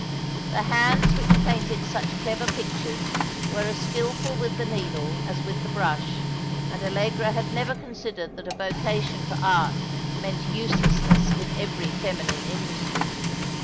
" The hands which painted such clever pictures were as skilful with the needle as with the brush, and Allegra had never considered that a vocation for art meant uselessness in every feminine industry.